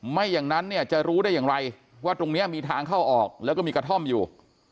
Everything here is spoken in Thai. ไม่อย่างนั้นเนี่ยจะรู้ได้อย่างไรว่าตรงนี้มีทางเข้าออกแล้วก็มีกระท่อมอยู่